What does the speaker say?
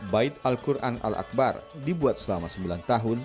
bait al quran al akbar dibuat selama sembilan tahun